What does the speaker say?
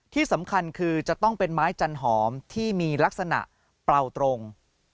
ที่สำคัญคือจะต้องเป็นไม้จันหอมที่มีลักษณะเปล่าตรง